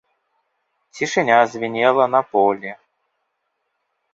Цішыня звінела на полі.